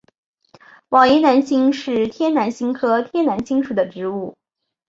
网檐南星是天南星科天南星属的植物。